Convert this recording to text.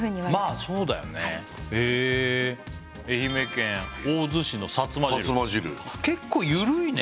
まあそうだよねへえ愛媛県大洲市のさつま汁結構緩いね